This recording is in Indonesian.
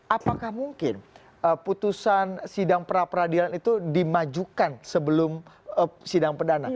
apakah mungkin putusan sidang pra peradilan itu dimajukan sebelum sidang perdana